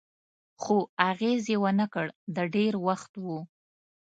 خو اغېز یې و نه کړ، د ډېر وخت و.